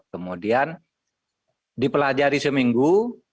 kemudian dipelajari seminggu